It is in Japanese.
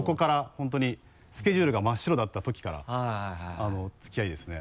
本当にスケジュールが真っ白だったときから付き合いですね。